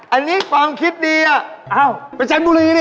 อันนี้ความคิดดีไปจันบุรีดิ